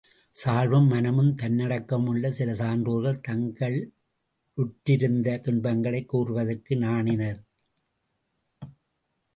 சால்பும் மானமும் தன்னடக்கமும் உள்ள சில சான்றோர்கள் தாங்களுற்றிருந்த துன்பங்களைக் கூறுவதற்கு நாணினர்.